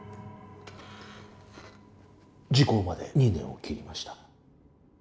時効まで２年を切りました。